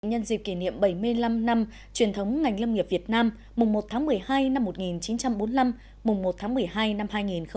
nhân dịp kỷ niệm bảy mươi năm năm truyền thống ngành lâm nghiệp việt nam mùng một tháng một mươi hai năm một nghìn chín trăm bốn mươi năm mùng một tháng một mươi hai năm hai nghìn hai mươi